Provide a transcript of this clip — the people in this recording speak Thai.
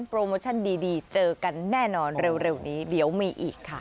โปรโมชั่นดีเจอกันแน่นอนเร็วนี้เดี๋ยวมีอีกค่ะ